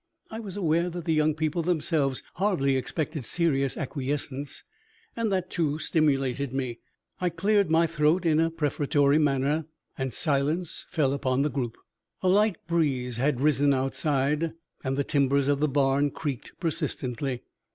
I was aware that the young people themselves hardly expected serious acquiescence, and that, too, stimulated me. I cleared my throat in a prefatory manner, and silence fell upon the group. A light breeze had risen outside, and the timbers of the barn creaked persistently.